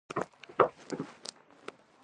په کال کې ضروري مواد په ځمکه کې ور زیات کړو.